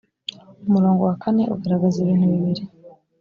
umurongo wa kane ugaragaza ibintu bibiri